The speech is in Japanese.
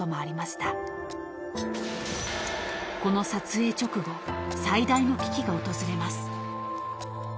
［この撮影直後最大の危機が訪れます］